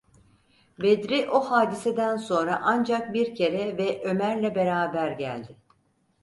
Bedri o hadiseden sonra ancak bir kere ve Ömer’le beraber geldi.